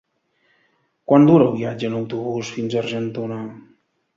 Quant dura el viatge en autobús fins a Argentona?